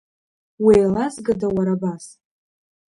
Уеилазгада, уара абас?